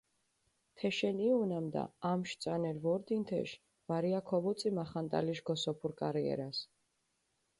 თეშენ იჸუ, ნამდა ამშვ წანერი ვორდინ თეშ ვარია ქოვუწი მახანტალიშ გოსოფურ კარიერას.